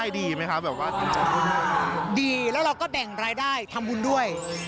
ดีแล้วเราก็แบ่งรายได้ทำบุญด้วย